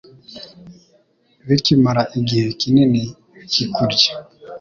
bikamara igihe kinini bikikurya